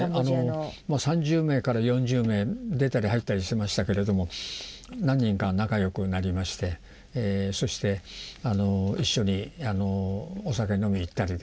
３０名から４０名出たり入ったりしてましたけれども何人か仲良くなりましてそして一緒にお酒飲み行ったりなんかという番外もありました。